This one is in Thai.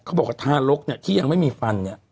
บอกว่าทารกเนี่ยที่ยังไม่มีฟันเนี่ย